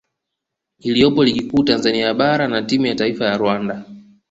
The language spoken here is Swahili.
iliyopo Ligi Kuu Tanzania Bara na timu ya taifa ya Rwanda